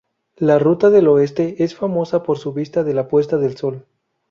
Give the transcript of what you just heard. La ruta del oeste es famosa por su vista de la puesta de sol.